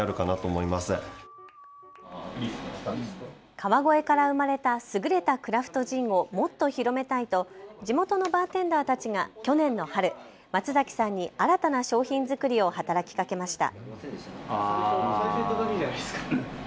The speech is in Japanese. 川越から生まれた優れたクラフトジンをもっと広めたいと地元のバーテンダーたちが去年の春、松崎さんに新たな商品作りを働きかけました。